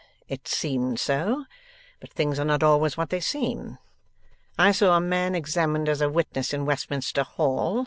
It seemed so, but things are not always what they seem. I saw a man examined as a witness in Westminster Hall.